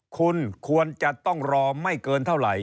คุณควรจะต้องรอไม่เกินเท่าไหร่